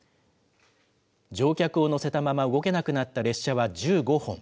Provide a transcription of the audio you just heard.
乗客を乗せたまま動けなくなった列車は１５本。